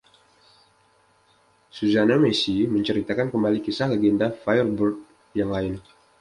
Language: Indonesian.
Suzanne Massie menceritakan kembali kisah legenda Firebird yang lain.